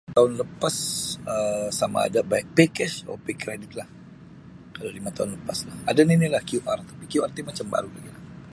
Toun lepas um sama ada by pakej or pay kreditlah kalau lima toun lepaslah ada nini' lah QR tapi' QR ti macam baru' nini'lah.